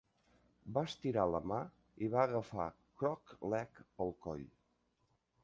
Va estirar la mà i va agafar Crooked-Leg pel coll.